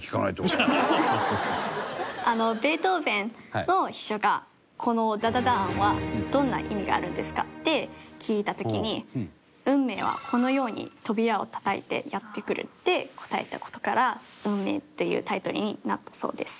ベートーヴェンの秘書が「この“ダダダーン”はどんな意味があるんですか？」って聞いた時に「運命はこのように扉をたたいてやって来る」って答えた事から『運命』というタイトルになったそうです。